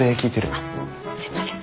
あっすいません。